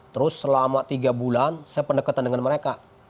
terus selama tiga bulan saya pendekatan dengan mereka